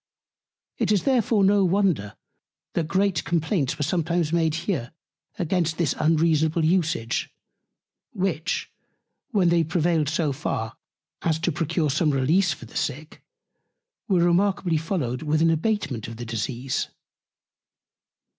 It is therefore no wonder, that great Complaints were sometimes made here against this unreasonable Usage; which, when they prevailed so far, as to procure some Release for the Sick, were remarkably followed with an Abatement of the Disease.